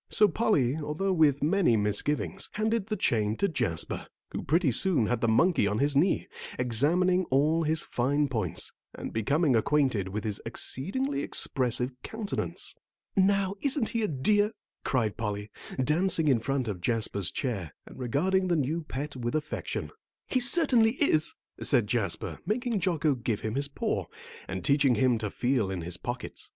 So Polly, although with many misgivings, handed the chain to Jasper, who pretty soon had the monkey on his knee, examining all his fine points, and becoming acquainted with his exceedingly expressive countenance. "Now, isn't he a dear?" cried Polly, dancing in front of Jasper's chair, and regarding the new pet with affection. "He certainly is," said Jasper, making Jocko give him his paw, then teaching him to feel in his pockets.